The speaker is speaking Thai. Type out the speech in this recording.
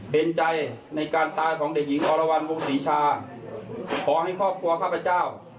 เห็นใจในการตายของเด็กหญิงอรวรรณวงศรีชาขอให้ครอบครัวข้าพเจ้า